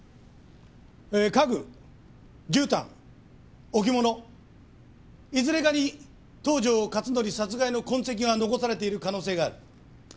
家具じゅうたん置物いずれかに東条克典殺害の痕跡が残されている可能性がある。